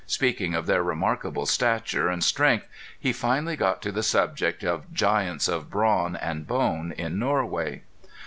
Speaking of their remarkable stature and strength he finally got to the subject of giants of brawn and bone in Norway.